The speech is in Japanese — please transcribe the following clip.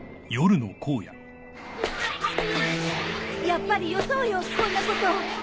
やっぱりよそうよこんなこと。